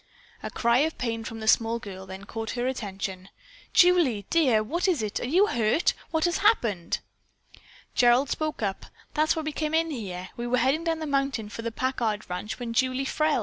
A cry of pain from the small girl then caught her attention. "Julie, what is it, dear? Are you hurt? What has happened?" Gerald spoke up: "That's why we came in here. We were headin' down the mountain for the Packard ranch when Julie fell.